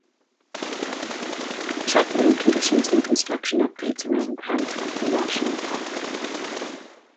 Check road conditions and construction updates around Grand Teton National Park.